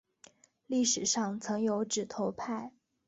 历史上曾有指头派。